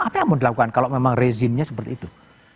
apa yang mau dilakukan kalau memang rezimnya seperti itu